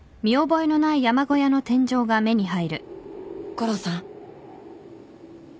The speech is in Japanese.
悟郎さん？